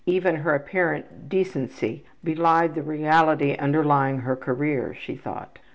Even her apparent decency belied the reality underlying her career, she thought.